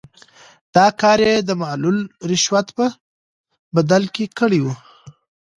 دا کار یې د معلوم رشوت په بدل کې کړی وو.